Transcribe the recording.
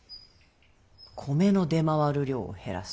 米の出回る量を減らす。